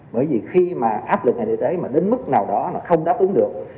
bởi vì khi mà áp lực ngành y tế mà đến mức nào đó là không đáp ứng được